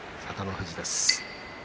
富士です。